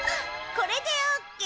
これでオーケー！